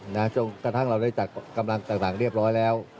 ตั้งแต่เราได้จัดกำลังต่างเยี่ยมร้อยแล้ว